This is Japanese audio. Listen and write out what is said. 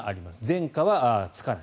前科はつかない。